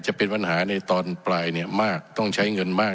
จะเป็นปัญหาในตอนปลายเนี่ยมากต้องใช้เงินมาก